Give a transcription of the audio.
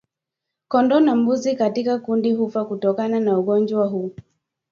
kondoo na mbuzi katika kundi hufa kutokana na ugonjwa huu